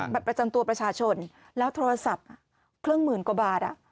บัตรประจำตัวประชาชนแล้วโทรศัพท์เครื่องหมื่นกว่าบาท